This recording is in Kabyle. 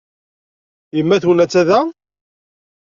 Yemma-twen attan da?